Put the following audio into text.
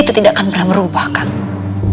itu tidak akan pernah merubahkanmu